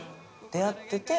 出会ってて。